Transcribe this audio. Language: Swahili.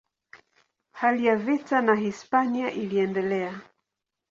Hali ya vita na Hispania iliendelea.